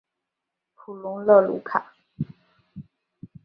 普龙勒鲁瓦。